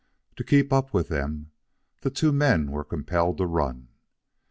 To keep up with them, the two men were compelled to run.